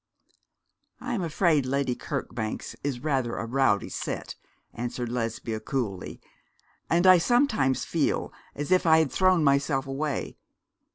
'I'm afraid Lady Kirkbank's is rather a rowdy set,' answered Lesbia, coolly; 'and I sometimes feel as if I had thrown myself away.